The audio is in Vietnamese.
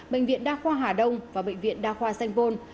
bệnh viện đa khoa hà đông và bệnh viện đa khoa sanh bôn